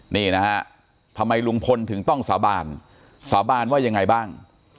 นี่นะฮะทำไมลุงพลถึงต้องสาบานสาบานว่ายังไงบ้าง